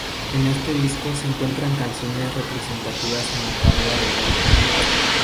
En este disco se encuentran canciones representativas en la carrera del grupo.